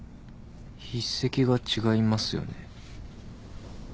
筆跡が違いますよね。